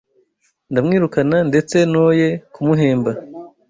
Ndamwirukana ndetse noye kumuhemba